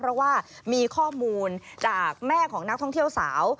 เพราะว่ามีข้อมูลจากแม่ของนักท่องเที่ยวสาว